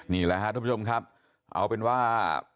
นี่แหละครับทุกผู้ชมครับเอาเป็นว่า